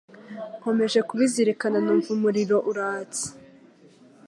Nkomeje kubizirikana numva umuriro uratse